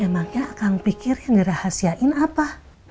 emangnya akang pikir yang dirahasiain apa